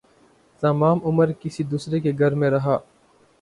تمام عمر کسی دوسرے کے گھر میں رہا